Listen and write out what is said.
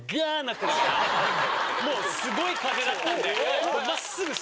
すごい風だったんで。